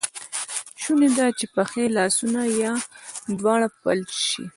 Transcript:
شونی ده چې پښې، لاسونه یا دواړه فلج شي.